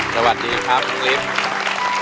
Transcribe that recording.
สวัสดีครับคุณลิฟต์